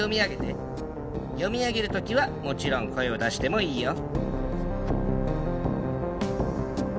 読み上げる時はもちろん声を出してもいいよ。